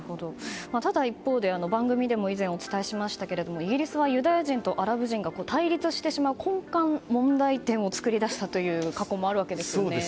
ただ一方で、番組でも以前お伝えしましたけれどもイギリスは、ユダヤ人とアラブ人が対立してしまう根幹、問題点を作り出した過去もあるわけですね。